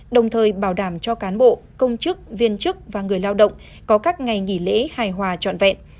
đồng thời bảo đảm cho cán bộ công chức viên chức và người lao động có các ngày nghỉ lễ hài hòa trọn vẹn